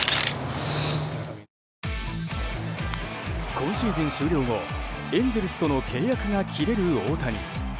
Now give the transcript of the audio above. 今シーズン終了後エンゼルスとの契約が切れる大谷。